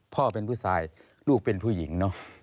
พ่อที่รู้ข่าวอยู่บ้าง